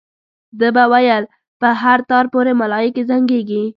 ده به ویل په هر تار پورې ملایکې زنګېږي.